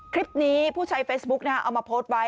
คลิปนี้ผู้ใช้เฟซบุ๊คเอามาโพสต์ไว้